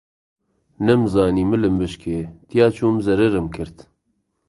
نەمزانی ملم بشکێ تیا چووم زەرەرم کرد